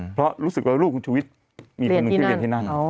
เพราะรู้สึกว่าลูกคุณชุวิตมีคนหนึ่งที่เรียนที่นั่น